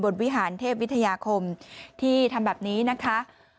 วิหารเทพวิทยาคมที่ทำแบบนี้นะคะ